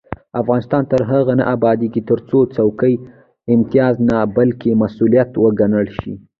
افغانستان تر هغو نه ابادیږي، ترڅو څوکۍ امتیاز نه بلکې مسؤلیت وګڼل شي.